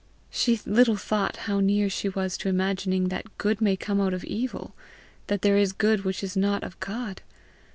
She little thought how near she was to imagining that good may come out of evil that there is good which is not of God!